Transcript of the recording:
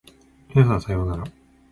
皆さんさようなら